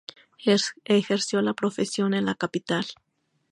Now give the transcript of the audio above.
Ejerció la profesión en la capital.